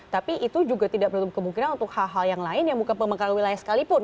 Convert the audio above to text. tapi itu juga tidak menutup kemungkinan untuk hal hal yang lain yang bukan pemekaran wilayah sekalipun